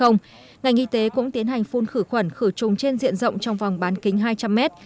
ngành y tế cũng tiến hành phun khử khuẩn khử trùng trên diện rộng trong vòng bán kính hai trăm linh mét